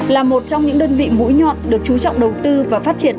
là một trong những đơn vị mũi nhọn được chú trọng đầu tư và phát triển